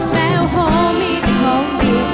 แมวโฮมีแต่ของดี